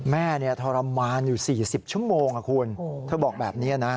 แม่ทรมานอยู่๔๐ชั่วโมงคุณเธอบอกแบบนี้นะ